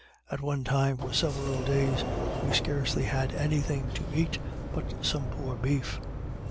At one time, for several days, we scarcely had any thing to eat but some poor beef.